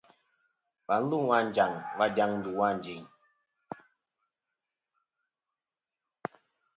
Và lu a Anjaŋ va dyaŋ ndu a Ànjin.